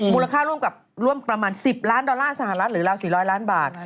มูลค่าร่วมกับร่วมประมาณ๑๐ล้านดอลลาร์สหรัฐหรือราว๔๐๐ล้านบาท